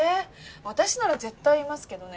私なら絶対言いますけどね。